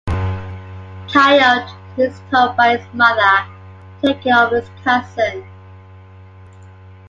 Kyle is told by his mother to take care of his cousin.